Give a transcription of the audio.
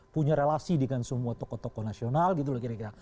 punya relasi dengan semua tokoh tokoh nasional gitu loh kira kira